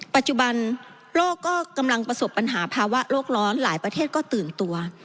ปัจจุบันโลกก็กำลังประสบปัญหาภาวะโลกร้อนหลายประเทศก็ตื่นตัว